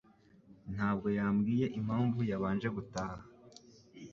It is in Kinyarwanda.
Ntabwo yambwiye impamvu yabanje gutaha